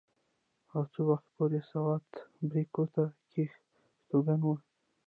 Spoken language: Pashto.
او څه وخته پورې سوات بريکوت کښې استوګن وو